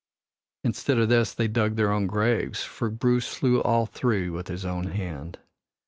Instead of this they dug their own graves, for Bruce slew all three with his own hand.